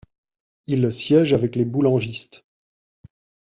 Il siège avec les boulangistes.